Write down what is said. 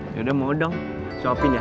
yaudah mau dong shoping ya